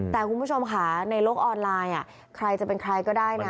แต่คุณผู้ชมค่ะในโลกออนไลน์ใครจะเป็นใครก็ได้นะ